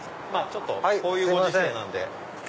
ちょっとこういうご時世なんで。